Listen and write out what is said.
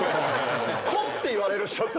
「コ」って言われる人と。